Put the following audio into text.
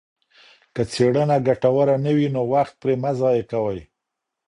که څېړنه ګټوره نه وي نو وخت پرې مه ضایع کوئ.